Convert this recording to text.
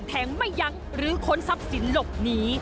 ไม่ยั้งหรือค้นทรัพย์สินหลบหนี